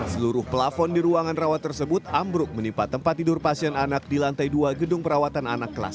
seluruh pelafon di ruangan rawat tersebut ambruk menimpa tempat tidur pasien anak di lantai dua gedung perawatan anak kelas